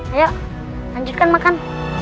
ayo lanjutkan makan